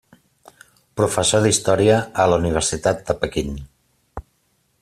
Professor d'Història a la Universitat de Pequín.